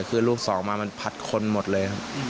คือลูกสองมามันพัดคนหมดเลยครับ